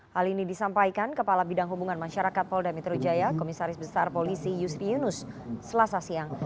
hal ini disampaikan kepala bidang hubungan masyarakat polda metro jaya komisaris besar polisi yusri yunus selasa siang